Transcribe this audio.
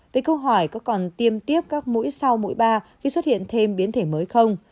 với câu hỏi có còn tiêm tiếp các mũi sau mũi ba khi xuất hiện thêm biến thể mới không